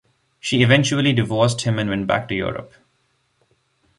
She eventually divorced him and went back to Europe.